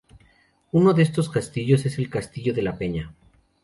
Uno de esos castillos es el castillo de la Peña.